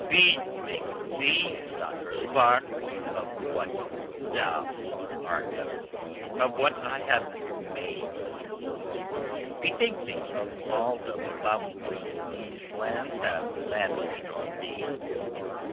"Bethink thee, Sakr el Bahr, of what thou art, of what I have made thee. Bethink thee of all the bounty these hands have lavished on thee.